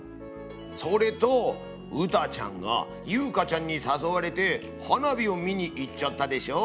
それとウタちゃんがユウカちゃんにさそわれて花火を見に行っちゃったでしょ？